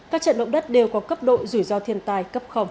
các trận động đất đều có cấp độ rủi ro thiên tế